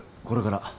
これから。